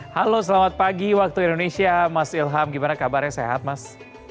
halo selamat pagi waktu indonesia mas ilham gimana kabarnya sehat mas